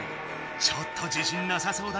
ちょっと自信なさそうだがはたして。